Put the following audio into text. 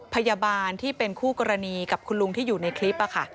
พยาบาลที่เป็นคู่กรณีกับคุณลุงที่อยู่ในคลิป